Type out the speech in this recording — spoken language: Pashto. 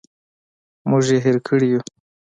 موږ یې هېر کړي یوو.